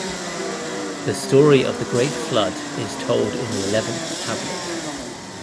The story of the great flood is told in the eleventh tablet.